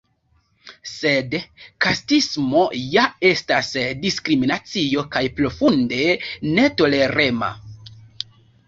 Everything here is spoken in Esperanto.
Sed kastismo ja estas diskriminacio, kaj profunde netolerema.